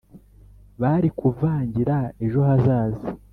bari kuvangira ejo hazaza.